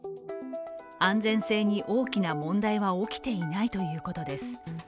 安全性に大きな問題は起きていないということです。